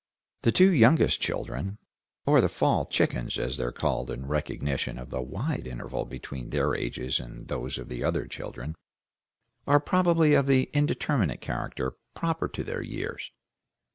The two youngest children, or the fall chickens as they are called in recognition of the wide interval between their ages and those of the other children, are probably of the indeterminate character proper to their years.